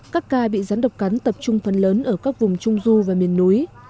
các ca bị rắn độc cắn tập trung phần lớn ở các vùng trung du và miền núi